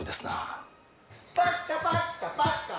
パッカパッカパッカ。